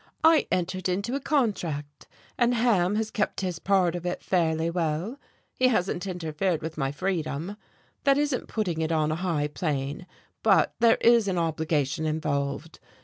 I entered into a contract, and Ham has kept his part of it fairly well. He hasn't interfered with my freedom. That isn't putting it on a high plane, but there is an obligation involved.